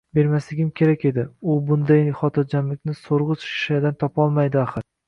Bermasligim kerak edi, u bundayin xotirjamlikni so`rg`ich shishadan topolmaydi, axir